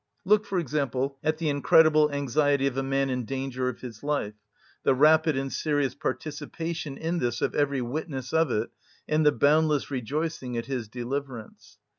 Look, for example, at the incredible anxiety of a man in danger of his life, the rapid and serious participation in this of every witness of it, and the boundless rejoicing at his deliverance.